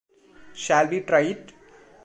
Shall we try it?